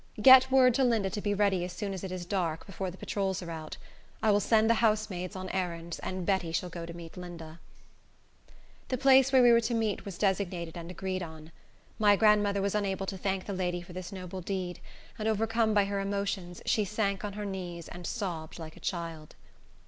Get word to Linda to be ready as soon as it is dark, before the patrols are out. I will send the housemaids on errands, and Betty shall go to meet Linda." The place where we were to meet was designated and agreed upon. My grandmother was unable to thank the lady for this noble deed; overcome by her emotions, she sank on her knees and sobbed like a child.